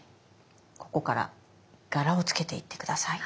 ここから柄をつけていって下さい。